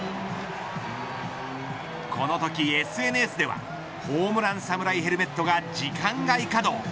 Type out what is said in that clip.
このときＳＮＳではホームラン・サムライ・ヘルメットが時間外稼働。